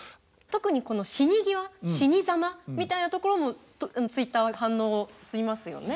特にこの死に際死にざまみたいなところをＴｗｉｔｔｅｒは反応しますよね。